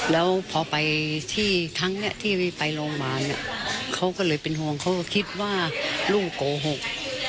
แล้วพอไปที่ครั้งนี้ที่ไปโรงพยาบาลเขาก็เลยเป็นห่วงเขาก็คิดว่าลูกโกหก